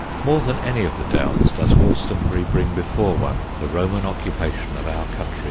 More than any of the Downs does Wolstonbury bring before one the Roman occupation of our country.